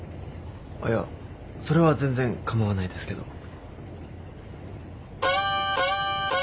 あっいやそれは全然構わないですけど。